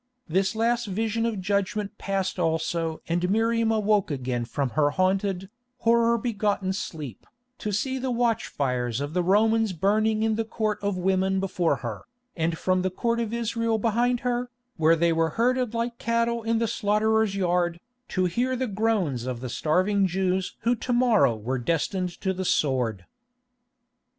This last vision of judgment passed also and Miriam awoke again from her haunted, horror begotten sleep, to see the watch fires of the Romans burning in the Court of Women before her, and from the Court of Israel behind her, where they were herded like cattle in the slaughterer's yard, to hear the groans of the starving Jews who to morrow were destined to the sword.